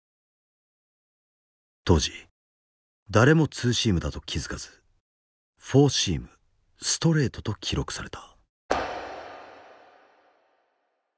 当時誰もツーシームだと気付かずフォーシームストレートと記録された。